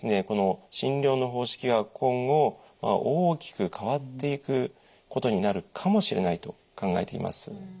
この診療の方式は今後大きく変わっていくことになるかもしれないと考えています。